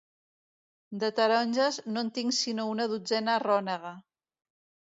De taronges, no en tinc sinó una dotzena rònega.